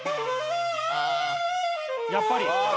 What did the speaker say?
やっぱり！